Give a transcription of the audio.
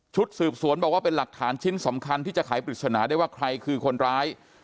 สืบสวนบอกว่าเป็นหลักฐานชิ้นสำคัญที่จะไขปริศนาได้ว่าใครคือคนร้าย